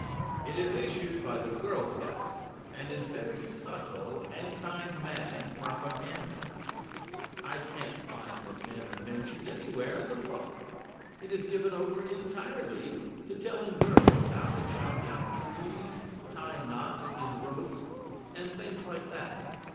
It is issued by the Girl Scouts and is very subtle anti man propaganda. I can't find that men are mentioned anywhere in the book. It is given over entirely to telling girls how to chop down trees, tie knots in ropes, and things like that.